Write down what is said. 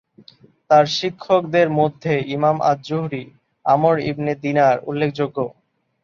তাঁর শিক্ষকদের মধ্যে ইমাম আয-যুহরি, আমর ইবনে দিনার উল্লেখযোগ্য।